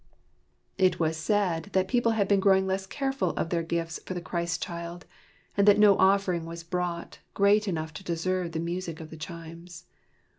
It was said that people had been growing less careful of their gifts for the Christ child, and that no offering was brought, great enough to deserve the music of the chimes.